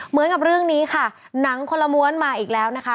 เหมือนกับเรื่องนี้ค่ะหนังคนละม้วนมาอีกแล้วนะคะ